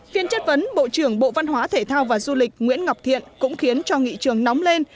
phiên chất vấn bộ trưởng bộ văn hóa thể thao và du lịch nguyễn ngọc thiện cũng khiến cho nghị trường nóng lên